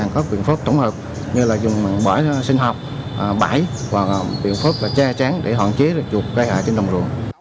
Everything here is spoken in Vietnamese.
có biện pháp tổng hợp như là dùng bãi sinh học bãi hoặc biện pháp che tráng để hạn chế chuột gây hại trên đồng ruộng